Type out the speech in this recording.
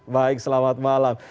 baik selamat malam